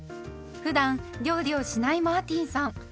ふだん料理をしないマーティンさん